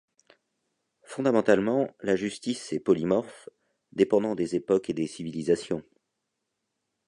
Fondamentalement, la justice est polymorphe, dépendant des époques et des civilisations.